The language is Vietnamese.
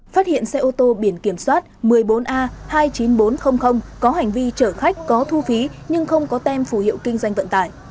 phát hiện xe ô tô biển kiểm soát một mươi bốn a hai mươi chín nghìn bốn trăm linh có hành vi chở khách có thu phí nhưng không có tem phù hiệu kinh doanh vận tải